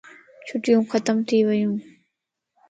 چھٽيون ختم ٿي ويو